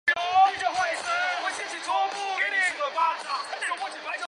这是他跟我都知道的事